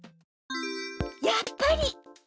やっぱり！